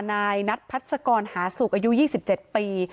นายนัทพัศกรหาสุกอายุ๒๗ปี